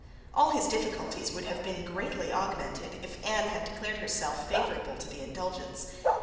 All his difficulties would have been greatly augmented if Anne had declared herself favourable to the Indulgence.